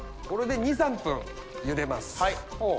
これで２３分ゆでます。